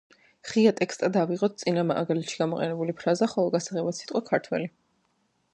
ღია ტექსტად ავიღოთ წინა მაგალითში გამოყენებული ფრაზა, ხოლო გასაღებად სიტყვა „ქართველი“.